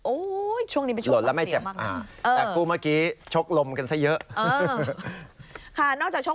โอ้โหช่วงนี้ไม่ชกมาเสียมากนะ